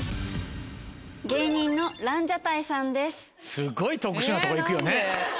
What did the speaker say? すっごい特殊なとこ行くよね。